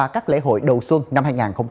các lễ hội đầu xuân năm hai nghìn hai mươi bốn